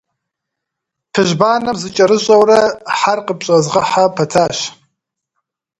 - Пыжь банэм зыкӏэрысщӏэурэ, хьэр къыпщӏэзгъэхьэ пэтащ.